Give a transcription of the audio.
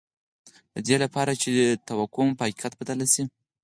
د دې لپاره چې توقعات مو په حقیقت بدل شي